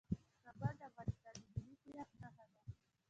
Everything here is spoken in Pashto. کابل د افغانستان د ملي هویت نښه ده.